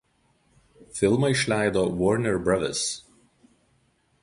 Filmą išleido Warner Brothers.